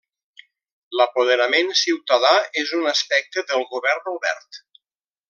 L'apoderament ciutadà és un aspecte del govern obert.